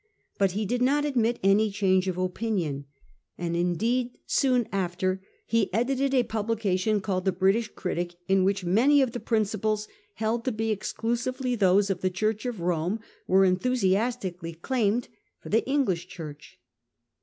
But he did not admit any change of opinion ; and indeed soon after he edited a publication called ' The British Critic,' in which many of the principles held to be exclusively those of the Church of Rome were enthusiastically claimed for the English Church.